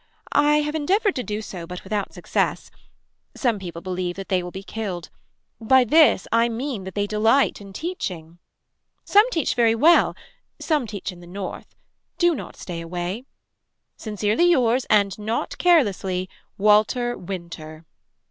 I have endeavored to do so but without success. Some people believe that they will be killed. By this I mean that they delight in teaching. Some teach very well. Some teach in the north. Do not stay away. Sincerely yours and not carelessly. Walter Winter.